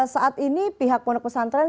saat ini pihak pusantren